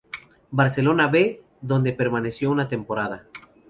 Barcelona B donde permaneció una temporada.